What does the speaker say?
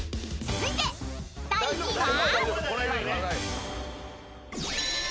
［続いて第３位は？］